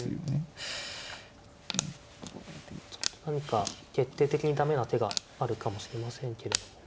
何か決定的に駄目な手があるかもしれませんけれども。